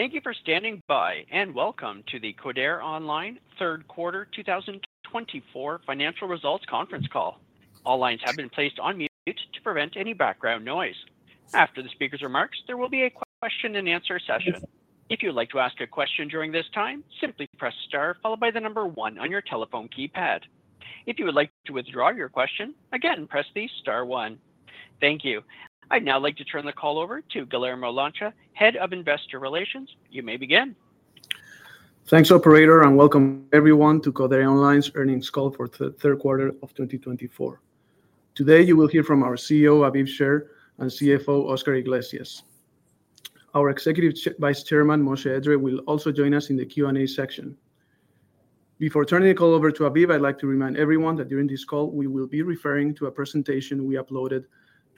Thank you for standing by, and welcome to the Codere Online Third Quarter 2024 Financial Results Conference Call. All lines have been placed on mute to prevent any background noise. After the speaker's remarks, there will be a question-and-answer session. If you'd like to ask a question during this time, simply press star followed by the number one on your telephone keypad. If you would like to withdraw your question, again, press the star one. Thank you. I'd now like to turn the call over to Guillermo Lancha, Head of Investor Relations. You may begin. Thanks, Operator, and welcome everyone to Codere Online's earnings call for the third quarter of 2024. Today, you will hear from our CEO, Aviv Sher, and CFO, Oscar Iglesias. Our Executive Vice Chairman, Moshe Edree, will also join us in the Q&A section. Before turning the call over to Aviv, I'd like to remind everyone that during this call, we will be referring to a presentation we uploaded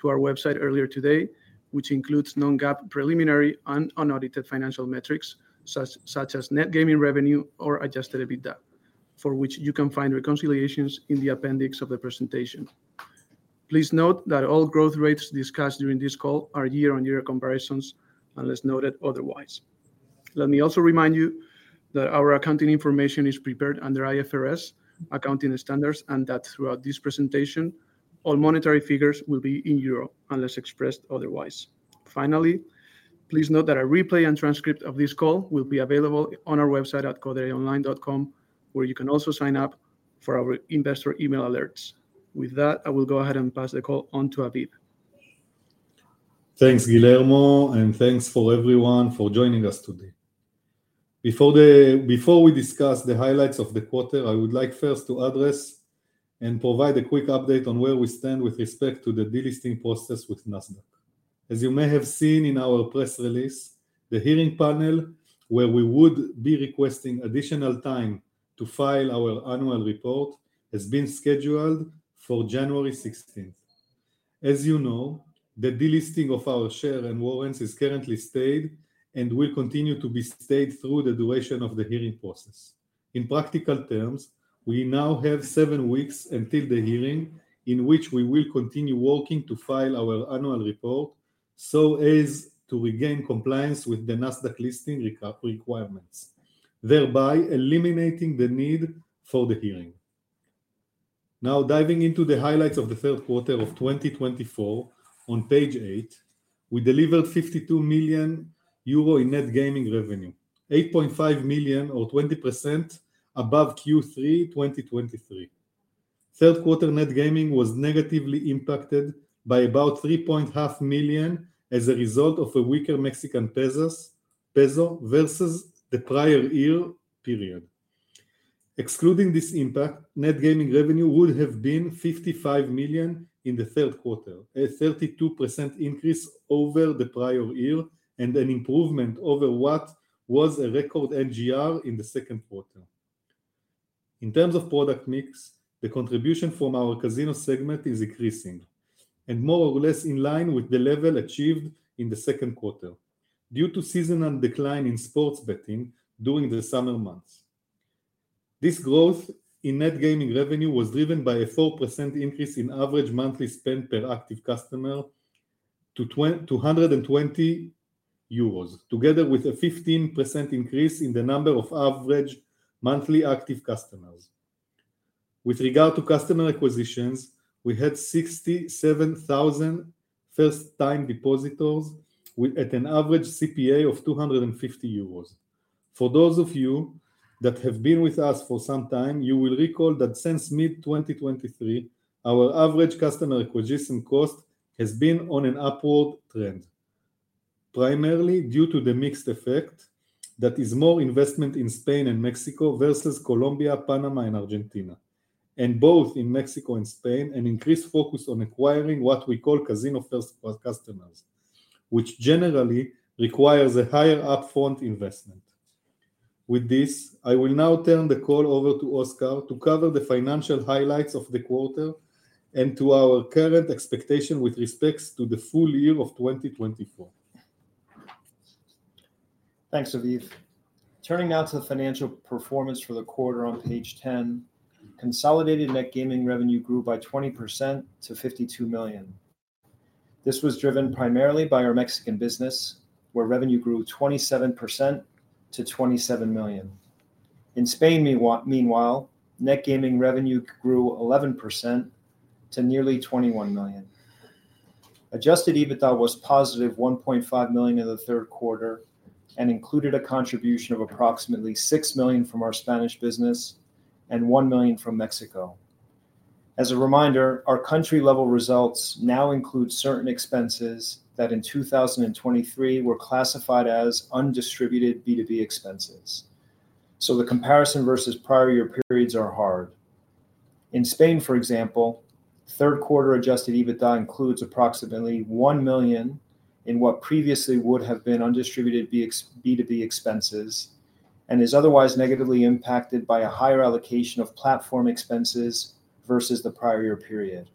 to our website earlier today, which includes non-GAAP preliminary and unaudited financial metrics such as Net Gaming Revenue or Adjusted EBITDA, for which you can find reconciliations in the appendix of the presentation. Please note that all growth rates discussed during this call are year-on-year comparisons unless noted otherwise. Let me also remind you that our accounting information is prepared under IFRS accounting standards and that throughout this presentation, all monetary figures will be in euro unless expressed otherwise. Finally, please note that a replay and transcript of this call will be available on our website at codereonline.com, where you can also sign up for our investor email alerts. With that, I will go ahead and pass the call on to Aviv. Thanks, Guillermo, and thanks for everyone for joining us today. Before we discuss the highlights of the quarter, I would like first to address and provide a quick update on where we stand with respect to the delisting process with Nasdaq. As you may have seen in our press release, the hearing panel, where we would be requesting additional time to file our annual report, has been scheduled for January 16. As you know, the delisting of our share and warrants is currently stayed and will continue to be stayed through the duration of the hearing process. In practical terms, we now have seven weeks until the hearing in which we will continue working to file our annual report so as to regain compliance with the Nasdaq listing requirements, thereby eliminating the need for the hearing. Now, diving into the highlights of the third quarter of 2024, on page eight, we delivered 52 million euro in Net Gaming Revenue, 8.5 million, or 20% above Q3 2023. Third quarter net gaming was negatively impacted by about 3.5 million as a result of a weaker Mexican peso versus the prior year period. Excluding this impact, Net Gaming Revenue would have been 55 million in the third quarter, a 32% increase over the prior year and an improvement over what was a record NGR in the second quarter. In terms of product mix, the contribution from our casino segment is increasing and more or less in line with the level achieved in the second quarter due to seasonal decline in sports betting during the summer months. This growth in Net Gaming Revenue was driven by a 4% increase in average monthly spend per active customer to 220 euros, together with a 15% increase in the number of average monthly active customers. With regard to customer acquisitions, we had 67,000 first-time depositors at an average CPA of 250 euros. For those of you that have been with us for some time, you will recall that since mid-2023, our average customer acquisition cost has been on an upward trend, primarily due to the mixed effect that is more investment in Spain and Mexico versus Colombia, Panama, and Argentina, and both in Mexico and Spain, an increased focus on acquiring what we call casino-first customers, which generally requires a higher upfront investment. With this, I will now turn the call over to Oscar to cover the financial highlights of the quarter and to our current expectation with respect to the full year of 2024. Thanks, Aviv. Turning now to the financial performance for the quarter on page 10, consolidated Net Gaming Revenue grew by 20% to 52 million. This was driven primarily by our Mexican business, where revenue grew 27% to 27 million. In Spain, meanwhile, Net Gaming Revenue grew 11% to nearly 21 million. Adjusted EBITDA was positive 1.5 million in the third quarter and included a contribution of approximately 6 million from our Spanish business and 1 million from Mexico. As a reminder, our country-level results now include certain expenses that in 2023 were classified as undistributed B2B expenses. So the comparison versus prior year periods are hard. In Spain, for example, third quarter Adjusted EBITDA includes approximately 1 million in what previously would have been undistributed B2B expenses and is otherwise negatively impacted by a higher allocation of platform expenses versus the prior year period.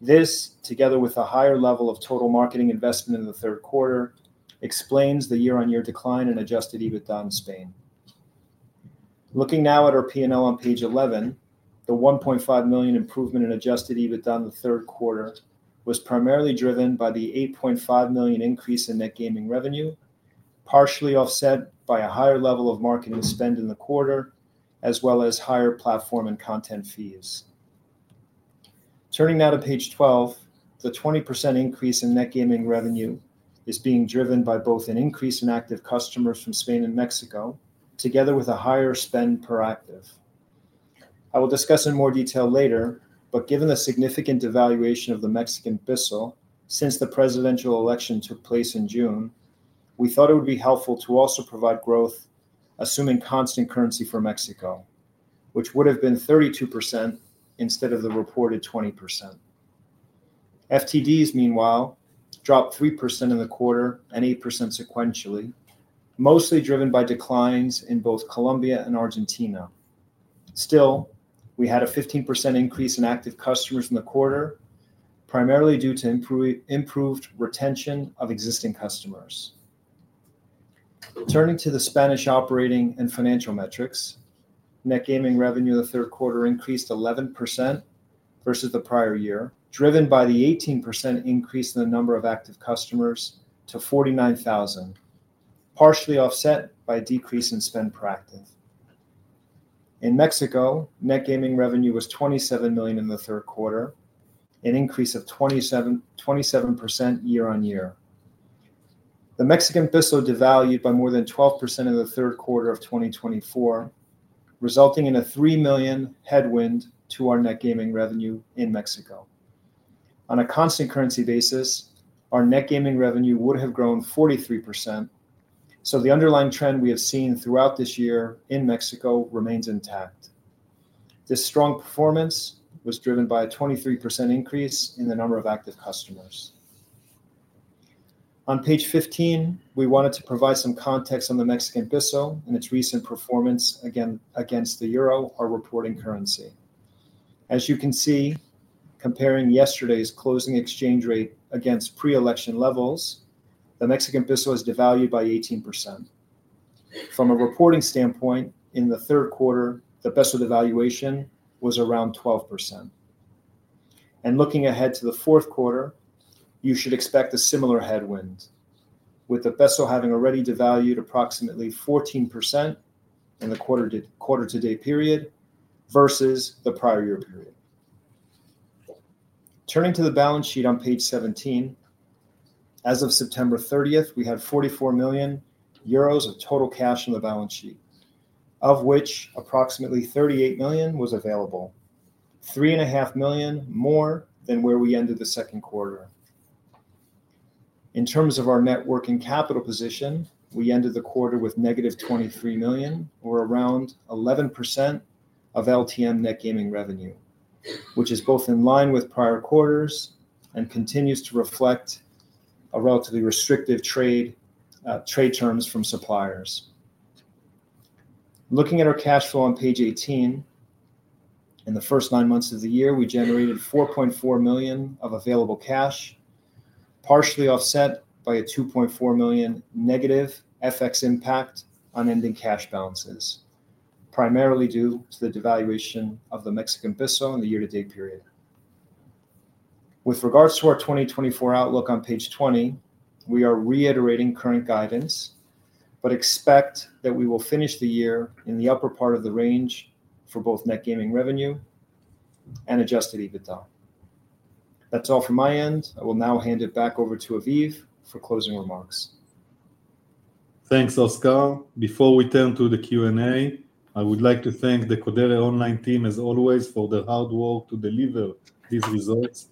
This, together with a higher level of total marketing investment in the third quarter, explains the year-on-year decline in Adjusted EBITDA in Spain. Looking now at our P&L on page 11, the €1.5 million improvement in Adjusted EBITDA in the third quarter was primarily driven by the €8.5 million increase in Net Gaming Revenue, partially offset by a higher level of marketing spend in the quarter, as well as higher platform and content fees. Turning now to page 12, the 20% increase in Net Gaming Revenue is being driven by both an increase in active customers from Spain and Mexico, together with a higher spend per active. I will discuss in more detail later, but given the significant devaluation of the Mexican peso since the presidential election took place in June, we thought it would be helpful to also provide growth, assuming constant currency for Mexico, which would have been 32% instead of the reported 20%. FTDs, meanwhile, dropped 3% in the quarter and 8% sequentially, mostly driven by declines in both Colombia and Argentina. Still, we had a 15% increase in active customers in the quarter, primarily due to improved retention of existing customers. Turning to the Spanish operating and financial metrics, Net Gaming Revenue in the third quarter increased 11% versus the prior year, driven by the 18% increase in the number of active customers to 49,000, partially offset by a decrease in spend per active. In Mexico, Net Gaming Revenue was 27 million in the third quarter, an increase of 27% year-on-year. The Mexican peso devalued by more than 12% in the third quarter of 2024, resulting in a 3 million headwind to our Net Gaming Revenue in Mexico. On a constant currency basis, our Net Gaming Revenue would have grown 43%. So the underlying trend we have seen throughout this year in Mexico remains intact. This strong performance was driven by a 23% increase in the number of active customers. On page 15, we wanted to provide some context on the Mexican peso and its recent performance against the euro, our reporting currency. As you can see, comparing yesterday's closing exchange rate against pre-election levels, the Mexican peso has devalued by 18%. From a reporting standpoint, in the third quarter, the peso devaluation was around 12%. Looking ahead to the fourth quarter, you should expect a similar headwind, with the peso having already devalued approximately 14% in the quarter-to-date period versus the prior year period. Turning to the balance sheet on page 17, as of September 30, we had 44 million euros of total cash on the balance sheet, of which approximately 38 million was available, 3.5 million more than where we ended the second quarter. In terms of our net working capital position, we ended the quarter with negative 23 million, or around 11% of LTM Net Gaming Revenue, which is both in line with prior quarters and continues to reflect relatively restrictive trade terms from suppliers. Looking at our cash flow on page 18, in the first nine months of the year, we generated 4.4 million of available cash, partially offset by a 2.4 million negative FX impact on ending cash balances, primarily due to the devaluation of the Mexican peso in the year-to-date period. With regards to our 2024 outlook on page 20, we are reiterating current guidance, but expect that we will finish the year in the upper part of the range for both Net Gaming Revenue and Adjusted EBITDA. That's all from my end. I will now hand it back over to Aviv for closing remarks. Thanks, Oscar. Before we turn to the Q&A, I would like to thank the Codere Online team, as always, for their hard work to deliver these results.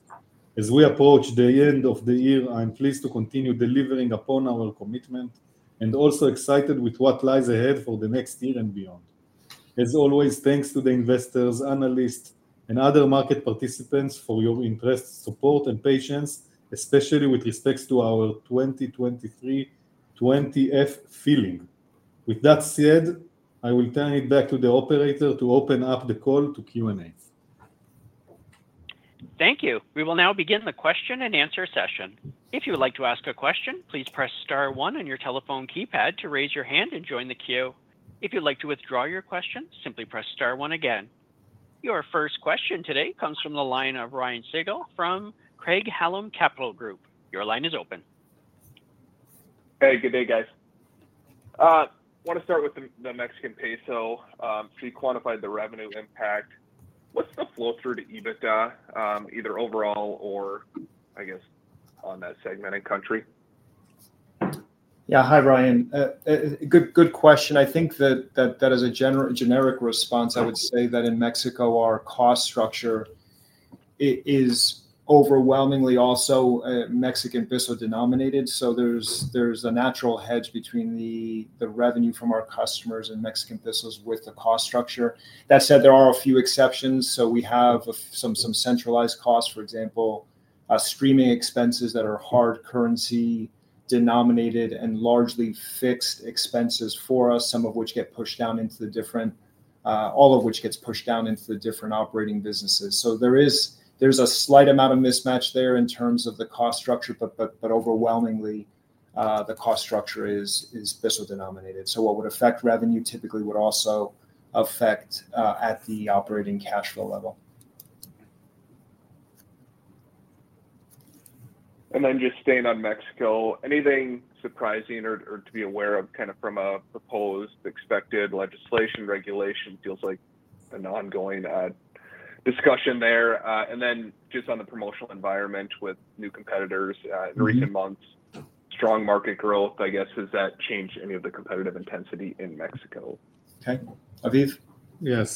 As we approach the end of the year, I'm pleased to continue delivering upon our commitment and also excited with what lies ahead for the next year and beyond. As always, thanks to the investors, analysts, and other market participants for your interest, support, and patience, especially with respect to our 2023 20-F filing. With that said, I will turn it back to the Operator to open up the call to Q&A. Thank you. We will now begin the question and answer session. If you would like to ask a question, please press star one on your telephone keypad to raise your hand and join the queue. If you'd like to withdraw your question, simply press star one again. Your first question today comes from the line of Ryan Sigdahl from Craig-Hallum Capital Group. Your line is open. Hey, good day, guys. I want to start with the Mexican peso, so you quantified the revenue impact. What's the flow through to EBITDA, either overall or, I guess, on that segment in country? Yeah, hi, Ryan. Good question. I think that as a generic response, I would say that in Mexico, our cost structure is overwhelmingly also Mexican peso denominated. So there's a natural hedge between the revenue from our customers and Mexican pesos with the cost structure. That said, there are a few exceptions. So we have some centralized costs, for example, streaming expenses that are hard currency denominated and largely fixed expenses for us, all of which gets pushed down into the different operating businesses. So there's a slight amount of mismatch there in terms of the cost structure, but overwhelmingly, the cost structure is peso denominated. So what would affect revenue typically would also affect at the operating cash flow level. And then just staying on Mexico, anything surprising or to be aware of kind of from a proposed expected legislation regulation? Feels like an ongoing discussion there. And then just on the promotional environment with new competitors in recent months, strong market growth, I guess, has that changed any of the competitive intensity in Mexico? Okay. Aviv? Yes.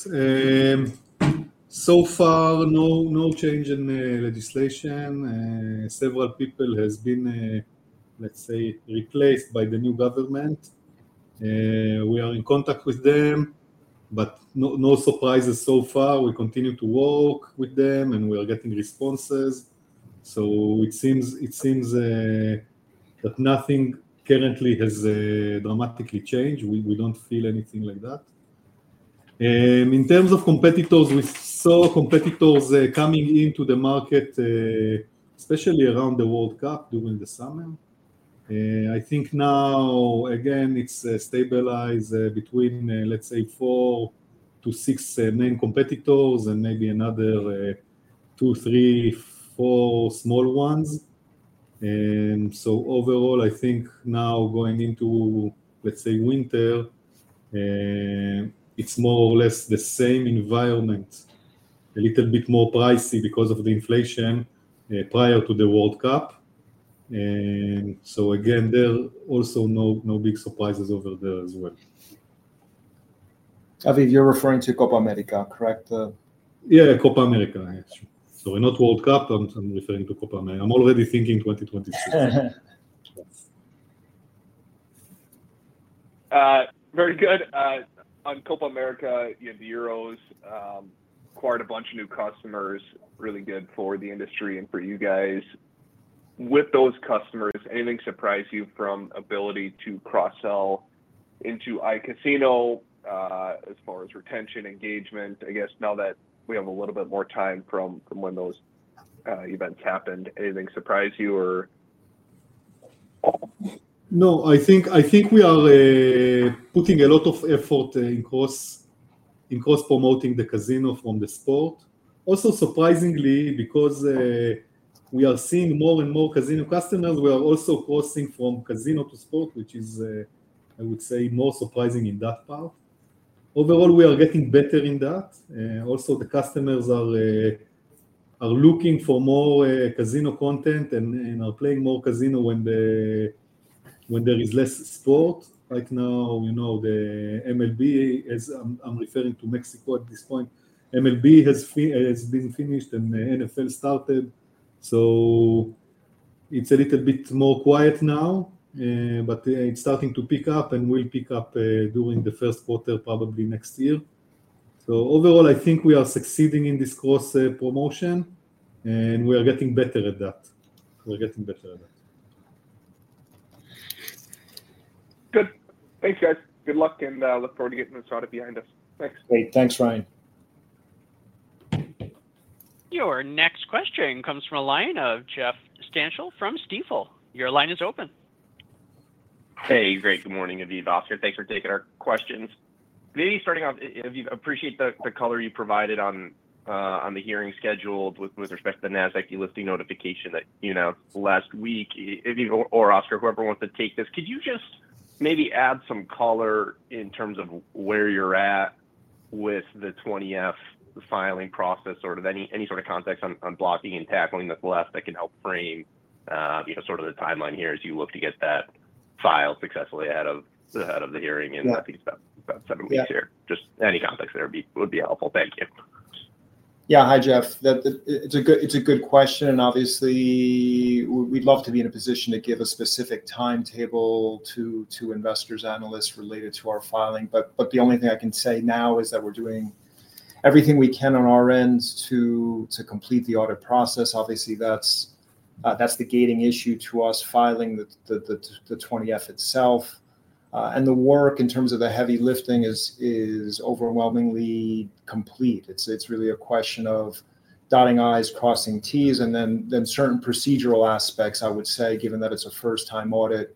So far, no change in legislation. Several people have been, let's say, replaced by the new government. We are in contact with them, but no surprises so far. We continue to work with them, and we are getting responses. So it seems that nothing currently has dramatically changed. We don't feel anything like that. In terms of competitors, we saw competitors coming into the market, especially around the World Cup during the summer. I think now, again, it's stabilized between, let's say, four to six main competitors and maybe another two, three, four small ones. So overall, I think now going into, let's say, winter, it's more or less the same environment, a little bit more pricey because of the inflation prior to the World Cup. So again, there are also no big surprises over there as well. Aviv, you're referring to Copa America, correct? Yeah, Copa América. Sorry, not World Cup. I'm referring to Copa América. I'm already thinking 2023. Very good. On Copa America, you had the Euros, quite a bunch of new customers, really good for the industry and for you guys. With those customers, anything surprise you from ability to cross-sell into iCasino as far as retention, engagement? I guess now that we have a little bit more time from when those events happened, anything surprise you or? No, I think we are putting a lot of effort in cross-promoting the casino from the sport. Also, surprisingly, because we are seeing more and more casino customers, we are also crossing from casino to sport, which is, I would say, more surprising in that part. Overall, we are getting better in that. Also, the customers are looking for more casino content and are playing more casino when there is less sport. Right now, the MLB, I'm referring to Mexico at this point, MLB has been finished and NFL started. So it's a little bit more quiet now, but it's starting to pick up and will pick up during the first quarter, probably next year. So overall, I think we are succeeding in this cross-promotion and we are getting better at that. We're getting better at that. Good. Thanks, guys. Good luck and look forward to getting this audit behind us. Thanks. Great. Thanks, Ryan. Your next question comes from a line of Jeff Stantial from Stifel. Your line is open. Hey, great. Good morning, Aviv, Oscar. Thanks for taking our questions. Maybe starting off, Aviv, I appreciate the color you provided on the hearing schedule with respect to the Nasdaq delisting notification last week. Aviv or Oscar, whoever wants to take this, could you just maybe add some color in terms of where you're at with the 20-F filing process, sort of any sort of context on blocking and tackling that's left that can help frame sort of the timeline here as you look to get that filed successfully ahead of the hearing in, I think, about seven weeks here? Just any context there would be helpful. Thank you. Yeah, hi, Jeff. It's a good question. Obviously, we'd love to be in a position to give a specific timetable to investors, analysts related to our filing. But the only thing I can say now is that we're doing everything we can on our end to complete the audit process. Obviously, that's the gating issue to us filing the 20-F itself. And the work in terms of the heavy lifting is overwhelmingly complete. It's really a question of dotting I's, crossing T's, and then certain procedural aspects, I would say, given that it's a first-time audit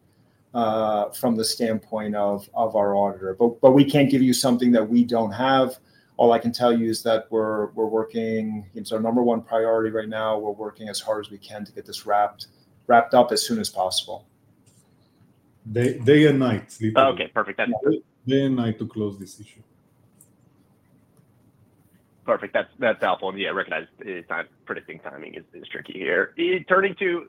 from the standpoint of our auditor. But we can't give you something that we don't have. All I can tell you is that we're working. It's our number one priority right now. We're working as hard as we can to get this wrapped up as soon as possible. Day and night. Okay, perfect. Day and night to close this issue. Perfect. That's helpful. And yeah, recognizing predicting timing is tricky here. Turning to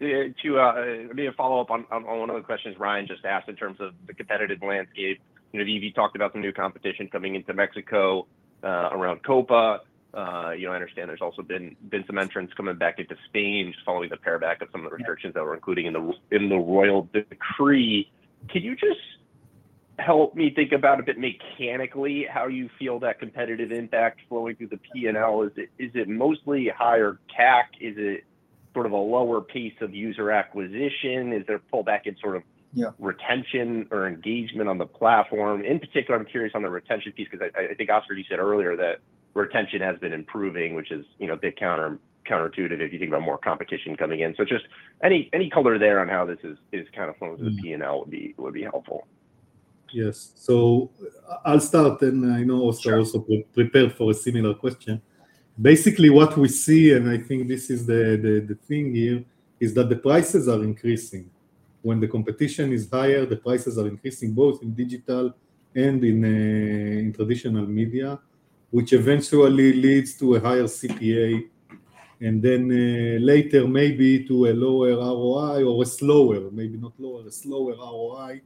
maybe a follow-up on one of the questions Ryan just asked in terms of the competitive landscape. Aviv, you talked about some new competition coming into Mexico around COPA. I understand there's also been some entrants coming back into Spain just following the paring back of some of the restrictions that were included in the Royal Decree. Can you just help me think about a bit mechanically how you feel that competitive impact flowing through the P&L? Is it mostly higher CAC? Is it sort of a lower price of user acquisition? Is there a pullback in sort of retention or engagement on the platform? In particular, I'm curious on the retention piece because I think, Oscar, you said earlier that retention has been improving, which is a bit counterintuitive if you think about more competition coming in. So just any color there on how this is kind of flowing through the P&L would be helpful. Yes. So I'll start, and I know Oscar also prepared for a similar question. Basically, what we see, and I think this is the thing here, is that the prices are increasing. When the competition is higher, the prices are increasing both in digital and in traditional media, which eventually leads to a higher CPA and then later maybe to a lower ROI or a slower, maybe not lower, a slower ROI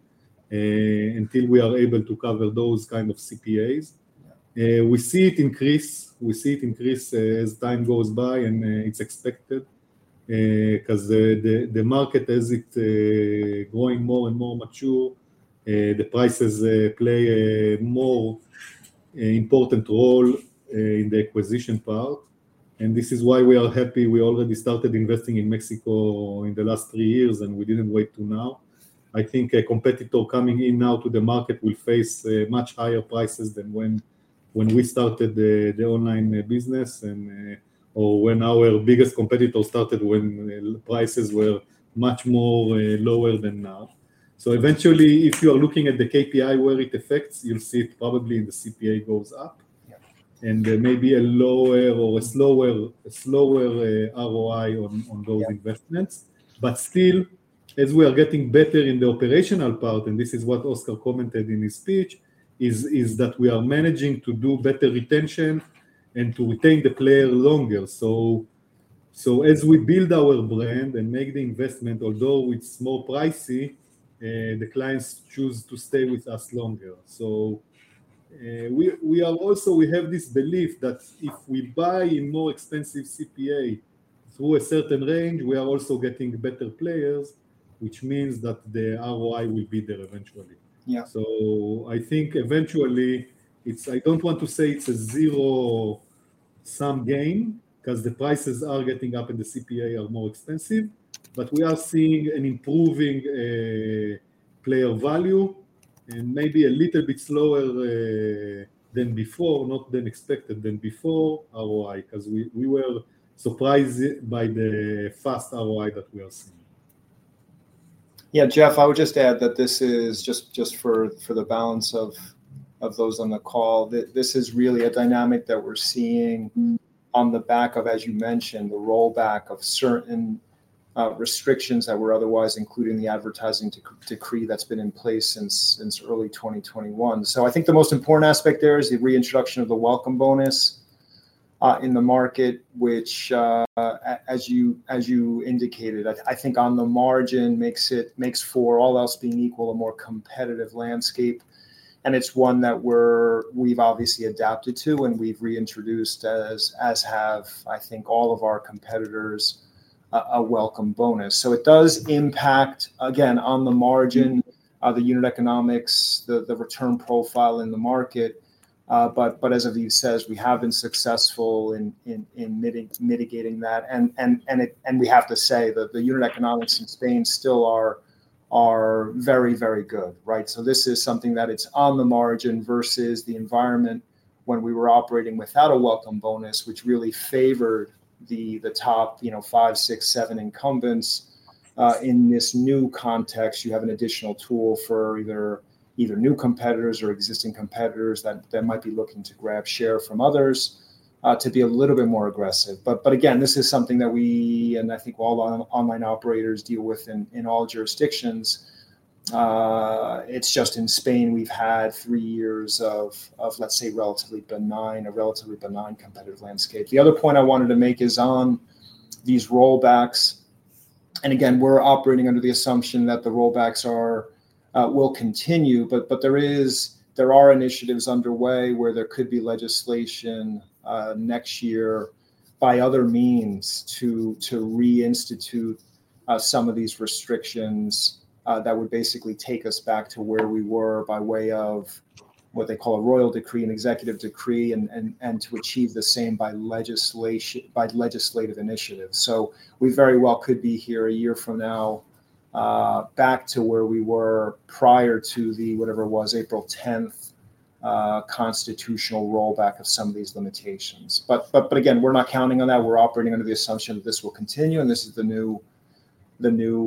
until we are able to cover those kind of CPAs. We see it increase. We see it increase as time goes by, and it's expected because the market, as it's growing more and more mature, the prices play a more important role in the acquisition part. And this is why we are happy. We already started investing in Mexico in the last three years, and we didn't wait to now. I think a competitor coming in now to the market will face much higher prices than when we started the online business or when our biggest competitor started when prices were much more lower than now. So eventually, if you are looking at the KPI where it affects, you'll see it probably in the CPA goes up and maybe a lower or a slower ROI on those investments. But still, as we are getting better in the operational part, and this is what Oscar commented in his speech, is that we are managing to do better retention and to retain the player longer. So as we build our brand and make the investment, although it's more pricey, the clients choose to stay with us longer. So we have this belief that if we buy a more expensive CPA through a certain range, we are also getting better players, which means that the ROI will be there eventually. So I think eventually, I don't want to say it's a zero-sum game because the prices are getting up and the CPA are more expensive, but we are seeing an improving player value and maybe a little bit slower than before, not than expected than before ROI because we were surprised by the fast ROI that we are seeing. Yeah, Jeff, I would just add that this is just for the balance of those on the call. This is really a dynamic that we're seeing on the back of, as you mentioned, the rollback of certain restrictions that were otherwise included in the advertising decree that's been in place since early 2021. So I think the most important aspect there is the reintroduction of the welcome bonus in the market, which, as you indicated, I think on the margin makes for all else being equal, a more competitive landscape. And it's one that we've obviously adapted to and we've reintroduced as have, I think, all of our competitors, a welcome bonus. So it does impact, again, on the margin, the unit economics, the return profile in the market. But as Aviv says, we have been successful in mitigating that. We have to say that the unit economics in Spain still are very, very good, right? So this is something that it's on the margin versus the environment when we were operating without a welcome bonus, which really favored the top five, six, seven incumbents. In this new context, you have an additional tool for either new competitors or existing competitors that might be looking to grab share from others to be a little bit more aggressive. But again, this is something that we and I think all online operators deal with in all jurisdictions. It's just in Spain, we've had three years of, let's say, relatively benign competitive landscape. The other point I wanted to make is on these rollbacks. Again, we're operating under the assumption that the rollbacks will continue, but there are initiatives underway where there could be legislation next year by other means to reinstitute some of these restrictions that would basically take us back to where we were by way of what they call a Royal Decree, an executive decree, and to achieve the same by legislative initiative. We very well could be here a year from now back to where we were prior to the, whatever it was, April 10th constitutional rollback of some of these limitations. Again, we're not counting on that. We're operating under the assumption that this will continue, and this is the new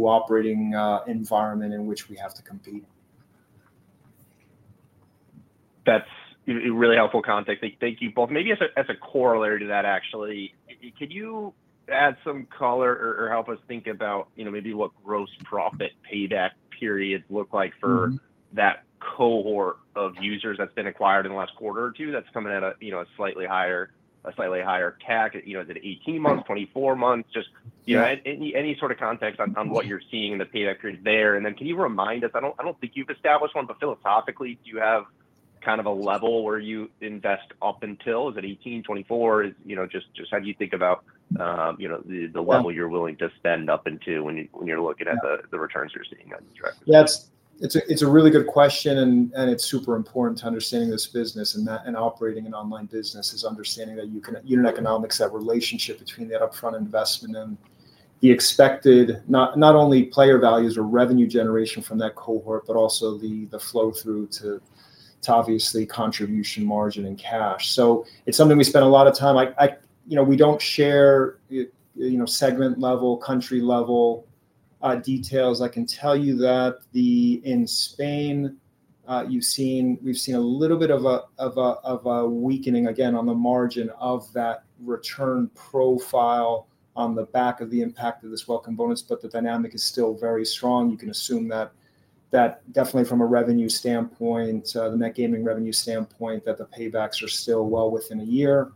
operating environment in which we have to compete. That's really helpful context. Thank you both. Maybe as a corollary to that, actually, could you add some color or help us think about maybe what gross profit payback periods look like for that cohort of users that's been acquired in the last quarter or two that's coming at a slightly higher CAC? Is it 18 months, 24 months? Just any sort of context on what you're seeing in the payback period there. And then can you remind us? I don't think you've established one, but philosophically, do you have kind of a level where you invest up until? Is it 18, 24? Just how do you think about the level you're willing to spend up until when you're looking at the returns you're seeing on these records? It's a really good question, and it's super important to understanding this business and operating an online business is understanding that unit economics, that relationship between that upfront investment and the expected not only player values or revenue generation from that cohort, but also the flow through to obviously contribution margin and cash, so it's something we spend a lot of time. We don't share segment level, country level details. I can tell you that in Spain, we've seen a little bit of a weakening, again, on the margin of that return profile on the back of the impact of this welcome bonus, but the dynamic is still very strong. You can assume that definitely from a revenue standpoint, the Net Gaming Revenue standpoint, that the paybacks are still well within a year,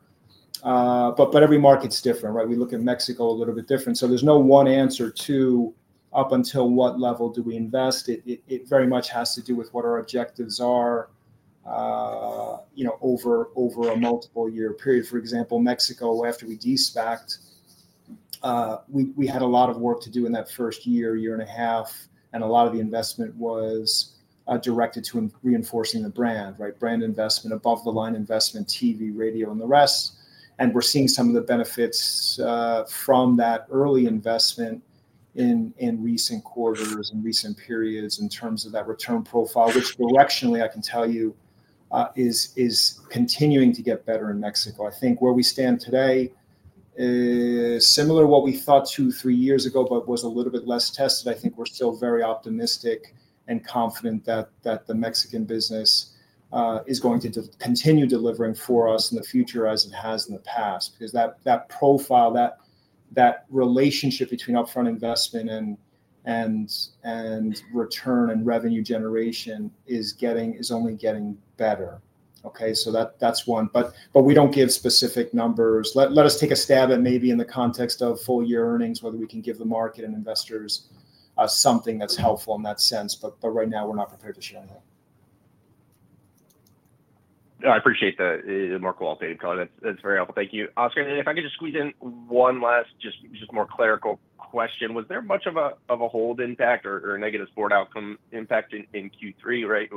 but every market's different, right? We look at Mexico a little bit different. So there's no one answer to up until what level do we invest. It very much has to do with what our objectives are over a multiple year period. For example, Mexico, after we De-SPACed, we had a lot of work to do in that first year, year and a half, and a lot of the investment was directed to reinforcing the brand, right? Brand investment, above-the-line investment, TV, radio, and the rest. And we're seeing some of the benefits from that early investment in recent quarters and recent periods in terms of that return profile, which directionally I can tell you is continuing to get better in Mexico. I think where we stand today is similar to what we thought two, three years ago, but was a little bit less tested. I think we're still very optimistic and confident that the Mexican business is going to continue delivering for us in the future as it has in the past because that profile, that relationship between upfront investment and return and revenue generation is only getting better. Okay? So that's one. But we don't give specific numbers. Let us take a stab at maybe in the context of full year earnings, whether we can give the market and investors something that's helpful in that sense. But right now, we're not prepared to share anything. I appreciate the more colorful alternative color. That's very helpful. Thank you, Oscar. And if I could just squeeze in one last, just more clerical question. Was there much of a hold impact or a negative sports outcome impact in Q3, right?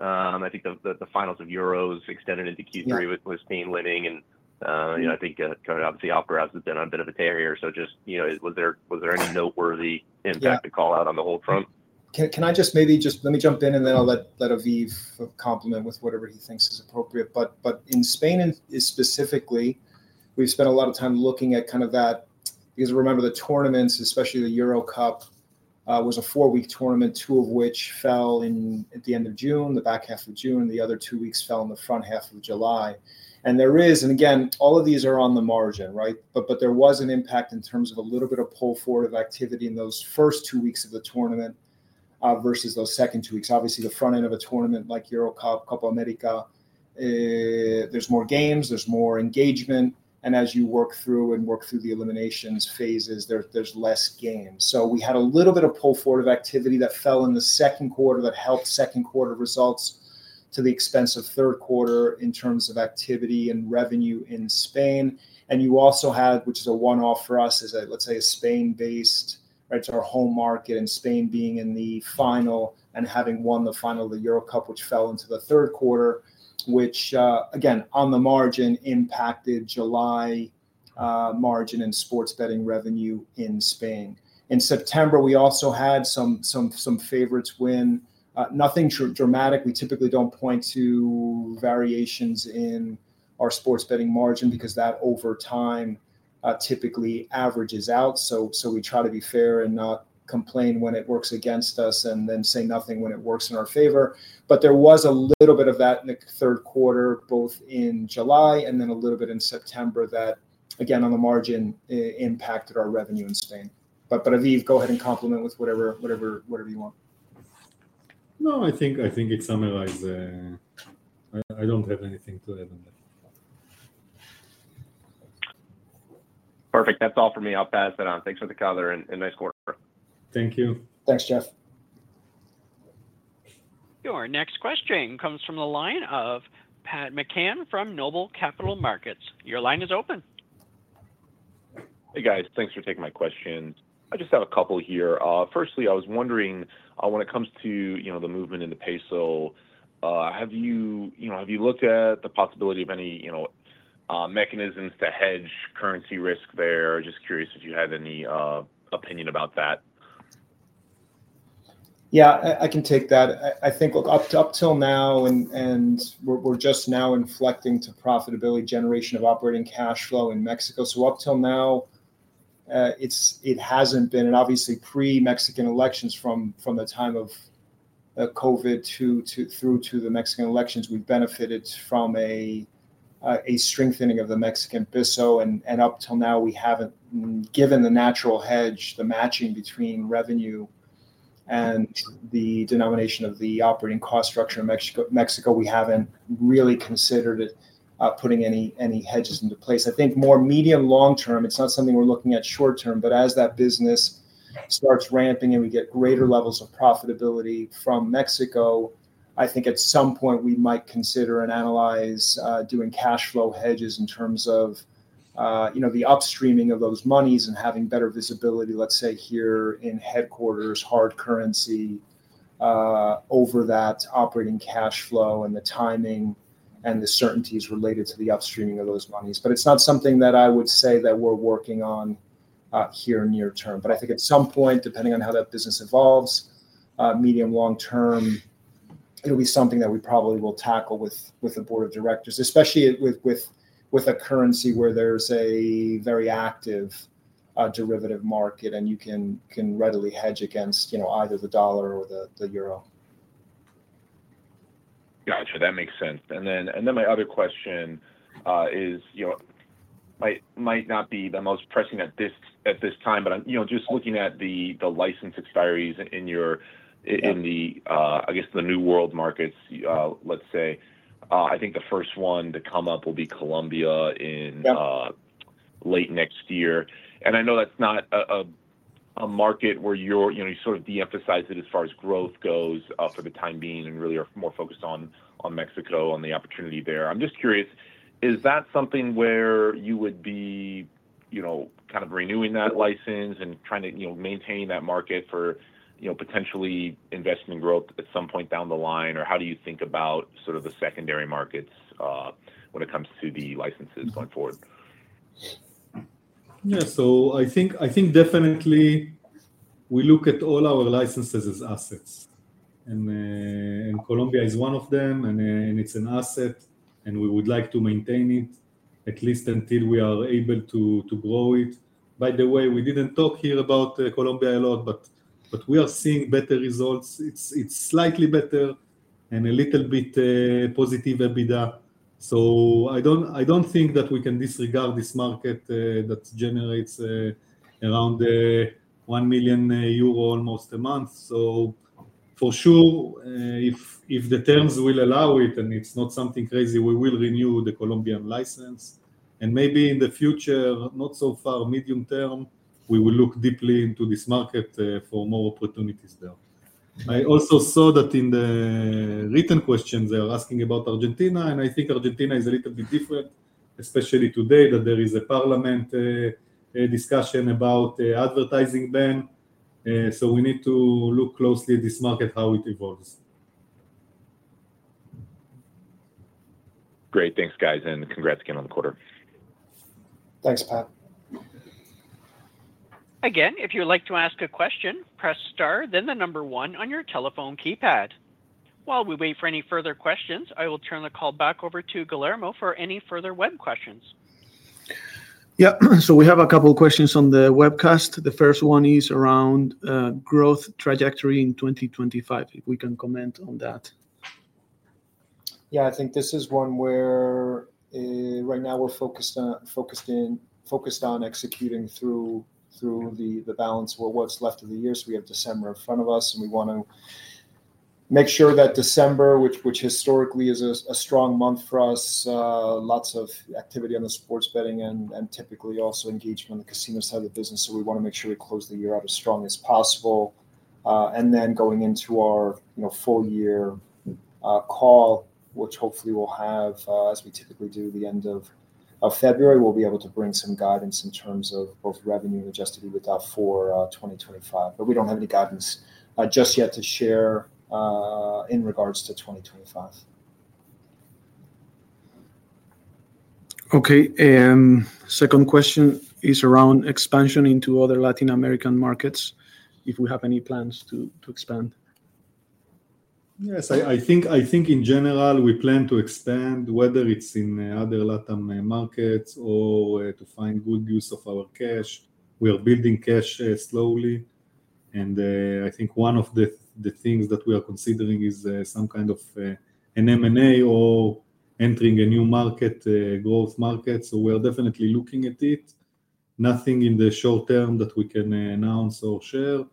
I think the finals of Euros extended into Q3 with Spain winning. And I think obviously Alcaraz has been on a bit of a tear here. So just was there any noteworthy impact to call out on the hold front? Can I just maybe just let me jump in, and then I'll let Aviv complement with whatever he thinks is appropriate. But in Spain specifically, we've spent a lot of time looking at kind of that because remember the tournaments, especially the Euro Cup, was a four-week tournament, two of which fell at the end of June, the back half of June. The other two weeks fell in the front half of July. And there is, and again, all of these are on the margin, right? But there was an impact in terms of a little bit of pull forward of activity in those first two weeks of the tournament versus those second two weeks. Obviously, the front end of a tournament like Euro Cup, Copa America, there's more games, there's more engagement. And as you work through the eliminations phases, there's less games. So we had a little bit of pull forward of activity that fell in the second quarter that helped second quarter results to the expense of third quarter in terms of activity and revenue in Spain. And you also had, which is a one-off for us, let's say a Spain-based, right? So our home market in Spain being in the final and having won the final of the Euro Cup, which fell into the third quarter, which, again, on the margin impacted July margin and sports betting revenue in Spain. In September, we also had some favorites win. Nothing dramatic. We typically don't point to variations in our sports betting margin because that over time typically averages out. So we try to be fair and not complain when it works against us and then say nothing when it works in our favor. But there was a little bit of that in the third quarter, both in July and then a little bit in September that, again, on the margin impacted our revenue in Spain. But Aviv, go ahead and comment with whatever you want. No, I think it summarizes. I don't have anything to add on that. Perfect. That's all for me. I'll pass it on. Thanks for the call and nice quarter. Thank you. Thanks, Jeff. Your next question comes from the line of Pat McCann from Noble Capital Markets. Your line is open. Hey, guys. Thanks for taking my question. I just have a couple here. Firstly, I was wondering when it comes to the movement in the peso, have you looked at the possibility of any mechanisms to hedge currency risk there? Just curious if you had any opinion about that. Yeah, I can take that. I think up till now and we're just now inflecting to profitability generation of operating cash flow in Mexico, so up till now it hasn't been, and obviously, pre-Mexican elections from the time of COVID through to the Mexican elections, we've benefited from a strengthening of the Mexican peso, and up till now, we haven't, given the natural hedge, the matching between revenue and the denomination of the operating cost structure in Mexico, we haven't really considered putting any hedges into place. I think more medium-long term, it's not something we're looking at short term, but as that business starts ramping and we get greater levels of profitability from Mexico, I think at some point we might consider and analyze doing cash flow hedges in terms of the upstreaming of those monies and having better visibility, let's say here in headquarters, hard currency over that operating cash flow and the timing and the certainties related to the upstreaming of those monies. But it's not something that I would say that we're working on here near term. But I think at some point, depending on how that business evolves, medium-long term, it'll be something that we probably will tackle with the board of directors, especially with a currency where there's a very active derivative market and you can readily hedge against either the dollar or the euro. Gotcha. That makes sense, and then my other question might not be the most pressing at this time, but just looking at the license expiries in the, I guess, the new world markets, let's say, I think the first one to come up will be Colombia in late next year, and I know that's not a market where you sort of de-emphasize it as far as growth goes for the time being and really are more focused on Mexico, on the opportunity there. I'm just curious, is that something where you would be kind of renewing that license and trying to maintain that market for potentially investment growth at some point down the line, or how do you think about sort of the secondary markets when it comes to the licenses going forward? Yeah. So, I think definitely we look at all our licenses as assets, and Colombia is one of them, and it's an asset, and we would like to maintain it at least until we are able to grow it. By the way, we didn't talk here about Colombia a lot, but we are seeing better results. It's slightly better and a little bit positive EBITDA, so I don't think that we can disregard this market that generates around one million euro almost a month. So for sure, if the terms will allow it, and it's not something crazy, we will renew the Colombian license, and maybe in the future, not so far, medium term, we will look deeply into this market for more opportunities there. I also saw that in the written question, they are asking about Argentina, and I think Argentina is a little bit different, especially today, that there is a parliament discussion about advertising ban, so we need to look closely at this market, how it evolves. Great. Thanks, guys. And congrats again on the quarter. Thanks, Pat. Again, if you'd like to ask a question, press star, then the number one on your telephone keypad. While we wait for any further questions, I will turn the call back over to Guillermo for any further web questions. Yeah. So we have a couple of questions on the webcast. The first one is around growth trajectory in 2025, if we can comment on that. Yeah, I think this is one where right now we're focused on executing through the balance or what's left of the year. So we have December in front of us, and we want to make sure that December, which historically is a strong month for us, lots of activity on the sports betting and typically also engagement on the casino side of the business. So we want to make sure we close the year out as strong as possible. And then going into our full year call, which hopefully we'll have, as we typically do, the end of February, we'll be able to bring some guidance in terms of both revenue and Adjusted EBITDA for 2025. But we don't have any guidance just yet to share in regards to 2025. Okay. And second question is around expansion into other Latin American markets, if we have any plans to expand? Yes. I think in general, we plan to expand, whether it's in other Latin markets or to find good use of our cash. We are building cash slowly. And I think one of the things that we are considering is some kind of an M&A or entering a new market, growth market. So we are definitely looking at it. Nothing in the short term that we can announce or share.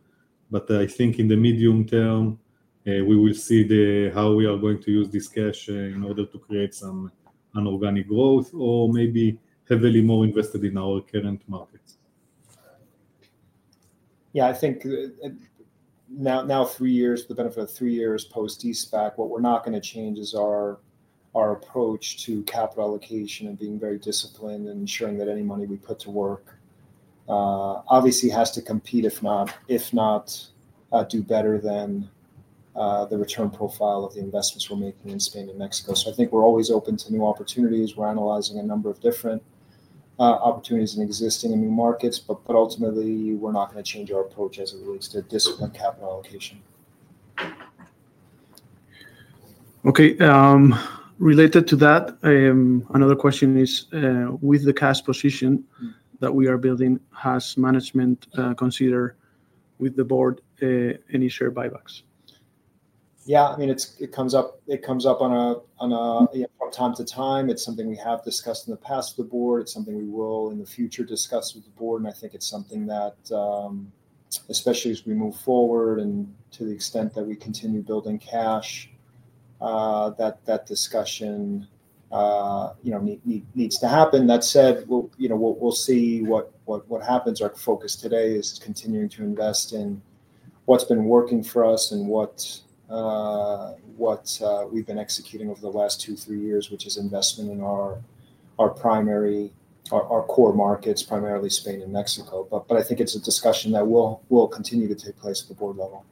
But I think in the medium term, we will see how we are going to use this cash in order to create some inorganic growth or maybe heavily more invested in our current markets. Yeah. I think now three years, the benefit of three years post-De-SPAC, what we're not going to change is our approach to capital allocation and being very disciplined and ensuring that any money we put to work obviously has to compete, if not do better than the return profile of the investments we're making in Spain and Mexico. So I think we're always open to new opportunities. We're analyzing a number of different opportunities in existing and new markets, but ultimately, we're not going to change our approach as it relates to disciplined capital allocation. Okay. Related to that, another question is with the cash position that we are building, has management considered with the board any share buybacks? Yeah. I mean, it comes up from time to time. It's something we have discussed in the past with the board. It's something we will in the future discuss with the board, and I think it's something that, especially as we move forward and to the extent that we continue building cash, that discussion needs to happen. That said, we'll see what happens. Our focus today is continuing to invest in what's been working for us and what we've been executing over the last two, three years, which is investment in our core markets, primarily Spain and Mexico, but I think it's a discussion that will continue to take place at the board level.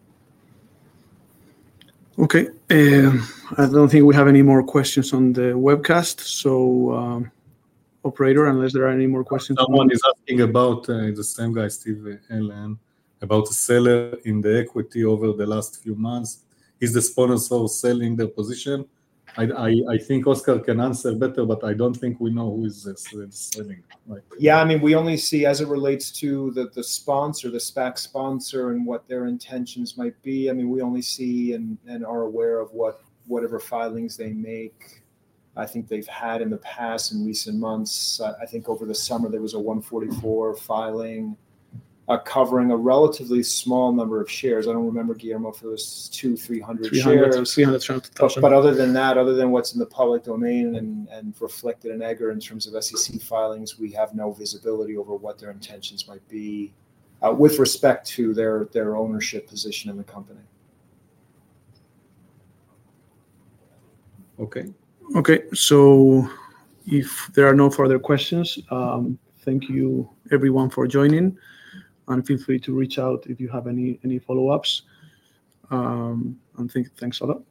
Okay. And I don't think we have any more questions on the webcast. So, operator, unless there are any more questions. Someone is asking about the same guy, Steve Ellen, about the seller in the equity over the last few months. Is the sponsor selling their position? I think Oscar can answer better, but I don't think we know who is selling. Yeah. I mean, we only see as it relates to the sponsor, De-SPAC sponsor and what their intentions might be. I mean, we only see and are aware of whatever filings they make. I think they've had in the past in recent months. I think over the summer, there was a 144 filing covering a relatively small number of shares. I don't remember, Guillermo, if it was 200, 300 shares. Yeah, 300,000. But other than that, other than what's in the public domain and reflected in EDGAR in terms of SEC filings, we have no visibility over what their intentions might be with respect to their ownership position in the company. Okay. So if there are no further questions, thank you, everyone, for joining, and feel free to reach out if you have any follow-ups, and thanks a lot.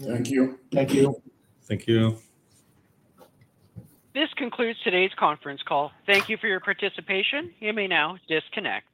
Thank you. Thank you. Thank you. This concludes today's conference call. Thank you for your participation. You may now disconnect.